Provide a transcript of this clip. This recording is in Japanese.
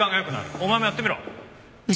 お前もやってみろ。